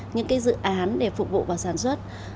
những cái dự án để phục vụ vào sản xuất